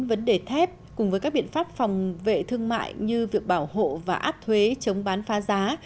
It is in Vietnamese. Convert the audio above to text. vấn đề thép cùng với các biện pháp phòng vệ thương mại như việc bảo hộ và áp thuế chống bán phá giá